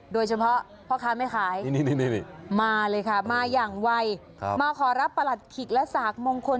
โดยเฉพาะพ่อค้าแม่ขายมาเลยค่ะมาอย่างไวมาขอรับประหลัดขิกและสากมงคล